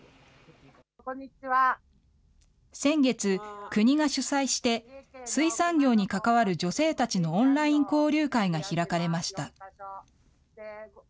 先月、国が主催して水産業に関わる女性たちのオンライン交流会が開かれました。